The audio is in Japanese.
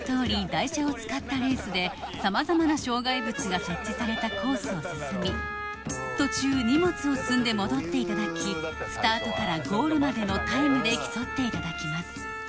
台車を使ったレースでさまざまな障害物が設置されたコースを進み途中荷物を積んで戻っていただきスタートからゴールまでのタイムで競っていただきます